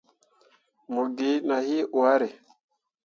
Mo gi nah hii hwaare.